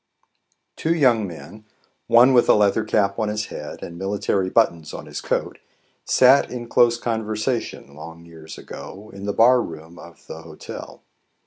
TWO young men, one with a leather cap on his head and military buttons on his coat, sat in close conversation, long years ago, in the bar room of the Hotel.